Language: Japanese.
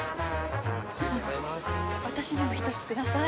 私にも１つください。